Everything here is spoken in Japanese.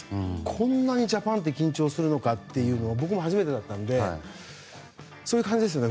こんなにジャパンって緊張するのかというのは僕も初めてだったのでそういう感じですよね